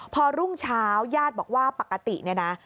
พอรุ่งเช้าญาติบอกว่าปกติเนี่ยนะ